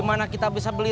ke orin tiga benuh sang ae